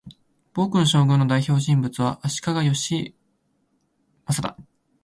暴君将軍の代表人物は、足利義教だ